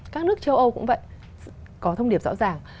các nước châu âu cũng vậy có thông điệp rõ ràng